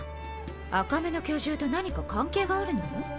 赤目の巨獣と何か関係があるの？